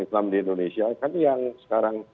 islam di indonesia kan yang sekarang